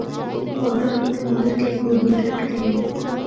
پہاڑ اپنڑے اندر کئی خوبیاں رکھدے ہن۔